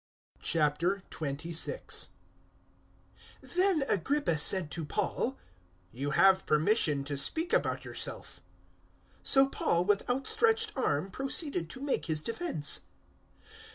026:001 Then Agrippa said to Paul, "You have permission to speak about yourself." So Paul, with outstretched arm, proceeded to make his defence.